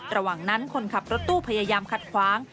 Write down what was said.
ระหว่างนั้นคนขับรถตู้พยายามขัดขวาง